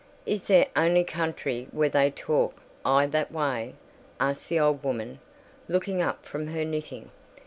"Is there ony country where they talk i' that way?" asked the old woman, looking up from her knitting.